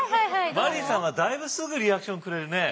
マリーさんはだいぶすぐリアクションくれるね。